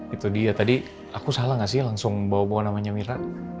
itu dia tadi aku salah gak sih langsung bawa bawa namanya mira